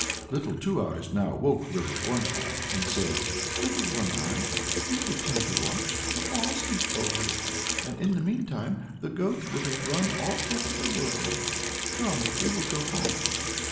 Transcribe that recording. Little Two Eyes now woke Little One Eye, and said, "Little One Eye, you pretend to watch, and fall asleep over it, and in the meantime the goat could have run all over the world; come, we will go home."